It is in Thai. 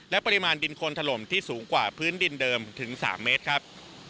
และปริมาณดินโคนถล่มที่สูงกว่าพื้นดินเดิมถึง๓เมตรครับ